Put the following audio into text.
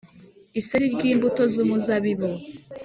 iseri ry’imbuto z’umuzabibu;